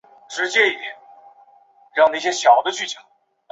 这是江户时代固定的仪式。